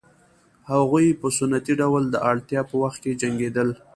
هغوی په سنتي ډول د اړتیا په وخت کې جنګېدل